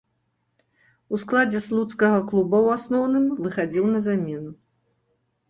У складзе слуцкага клуба ў асноўным выхадзіў на замену.